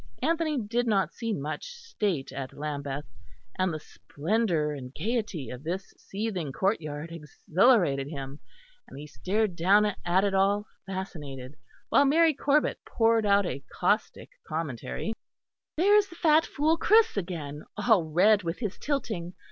Anthony did not see much state at Lambeth, and the splendour and gaiety of this seething courtyard exhilarated him, and he stared down at it all, fascinated, while Mary Corbet poured out a caustic commentary: "There is the fat fool Chris again, all red with his tilting.